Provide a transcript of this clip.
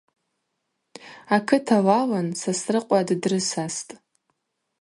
Акыт алалын Сосрыкъва ддрысастӏ.